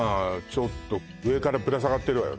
ちょっと上からぶら下がってるわよ